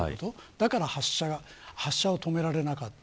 だから発車を止められなかった。